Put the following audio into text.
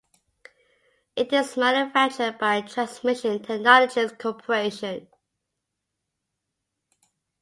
It is manufactured by Transmission Technologies Corporation.